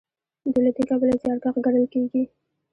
دوی له دې کبله زیارکښ ګڼل کیږي.